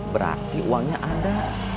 berarti uangnya ada